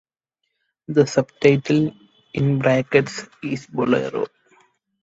The subtitle, in brackets, is Bolero.